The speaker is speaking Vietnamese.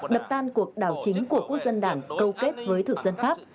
đập tan cuộc đảo chính của quốc dân đảng câu kết với thực dân pháp